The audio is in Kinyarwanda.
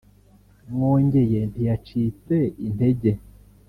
Mwongeye ntiyacitse intege